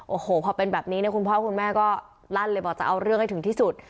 โอ้โหพอเป็นแบบนี้เนี่ยคุณพ่อคุณแม่ก็ลั่นเลยบอกจะเอาเรื่องให้ถึงที่สุด